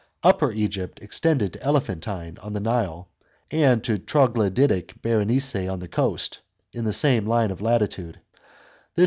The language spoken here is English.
Upper Egypt extended to Elephantine on the Nile, and to Troglodytic Berenice on the coast (in the same line of latitude).